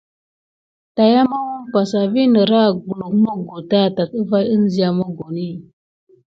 Tayamaou umpa sa vi nerahək guluk moggota tat əvay əŋzia moggoni.